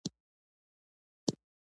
سترگې يې راوتلې وې.